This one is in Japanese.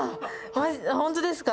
本当ですか。